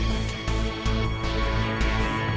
ทำไมใครจะเอ่ยเอ่ย